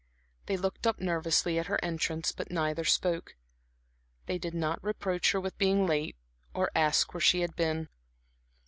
They looked up nervously at her entrance, but neither spoke; they did not reproach her with being late or ask where she had been.